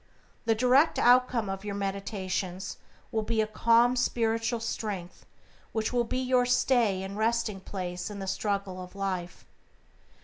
The direct outcome of your meditations will be a calm, spiritual strength which will be your stay and resting place in the struggle of life.